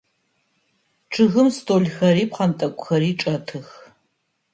Чъыгым столхэри пхъэнтӏэкӏухэри чӏэтых.